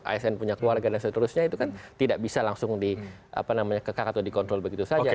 asn punya keluarga dan seterusnya itu kan tidak bisa langsung dikekang atau dikontrol begitu saja